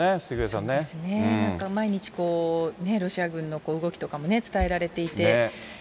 そうですね、毎日こう、ロシア軍の動きとかも伝えられていて。